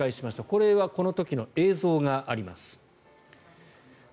これはこの時の映像があります。